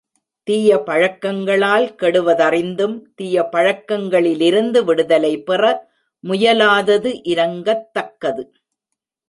தீய பழக்கங்களால் கெடுவதறிந்தும் தீய பழக்கங்களிலிருந்து விடுதலை பெற முயலாதது இரங்கத்தக்கது.